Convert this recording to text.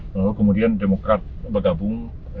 lalu kemudian demokrat bergabung